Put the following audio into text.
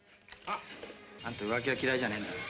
あんた浮気は嫌いじゃねえんだろう。